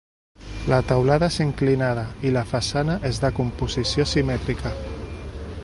La teulada és inclinada i la façana és de composició simètrica.